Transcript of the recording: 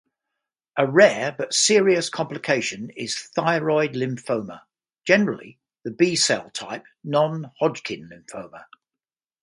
A rare but serious complication is thyroid lymphoma, generally the B-cell type, non-Hodgkin lymphoma.